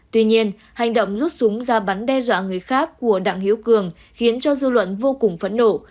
tuy nhiên hành động rút súng ra bắn đe dọa người khác của đạn hiếu cường khiến cho dư luận vô cùng phẫn nộ